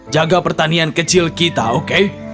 jaga pertanian kecil kita oke